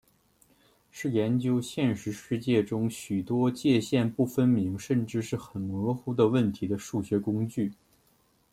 是研究现实世界中许多界限不分明甚至是很模糊的问题的数学工具。